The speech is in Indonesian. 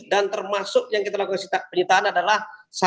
dan termasuk yang kita lakukan penyitaan adalah